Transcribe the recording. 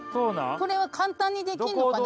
これは簡単にできるのかな？